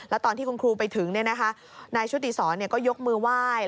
แล้วตอนที่คุณครูไปถึงเนี่ยนะคะนายชุติศรเนี่ยก็ยกมือไหว้